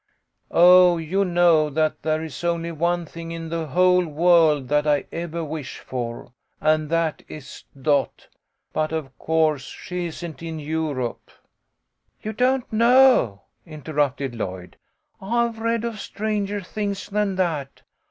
'* Oh, you know that there is only one thing in the whole world that I ever wish for, and that is Dot. But of course she isn't in Europe." " You don't know," interrupted Lloyd. " I've read of stranger things than that.